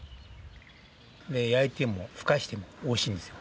焼いてもふかしてもおいしいんですよ。